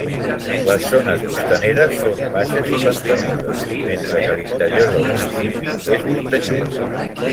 Les zones costaneres són baixes i pantanoses, mentre que l'interior del municipi és muntanyós.